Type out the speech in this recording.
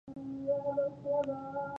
ایا زما قبضیت به ښه شي؟